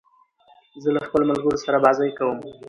زه له خپلو ملګرو سره بازۍ کوم.